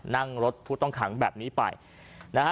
นั่งรถผู้ต้องขังแบบนี้ไปนะฮะ